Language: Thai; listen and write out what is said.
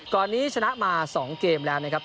ก่อนนี้ชนะมา๒เกมแล้วนะครับ